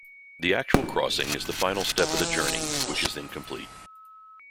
The actual crossing is the final step of the journey, which is then complete.